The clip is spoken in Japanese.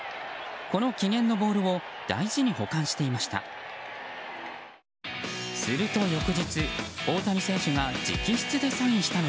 この記念のボールを大事に保管していました。